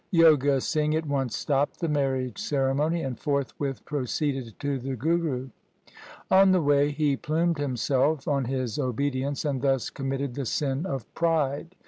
Joga Singh at once stopped the marriage ceremony, and forthwith proceeded to the Guru. On the way he plumed himself on his obedience, and thus com mitted the sin of pride.